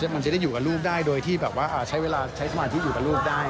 มันจะได้อยู่กับลูกได้โดยที่แบบว่าใช้เวลาใช้สมาธิอยู่กับลูกได้